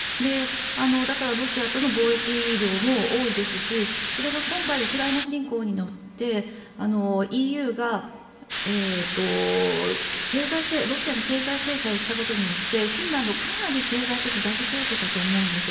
だから、ロシアとの貿易量も多いですしそれが今回ウクライナ侵攻によってＥＵがロシアに経済制裁をしたことによってフィンランドはかなり経済的に打撃を受けたと思うんです。